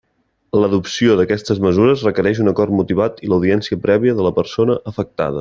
L'adopció d'aquestes mesures requereix un acord motivat i l'audiència prèvia de la persona afectada.